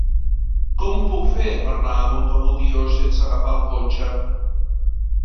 Com ho puc fer per anar a Montagut i Oix sense agafar el cotxe?